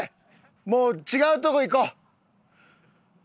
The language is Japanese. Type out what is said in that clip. もう違うとこ行こう。